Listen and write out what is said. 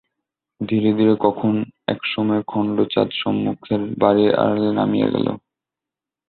ধীরে ধীরে কখন এক সময়ে খণ্ড-চাঁদ সম্মুখের বাড়ির আড়ালে নামিয়া গেল।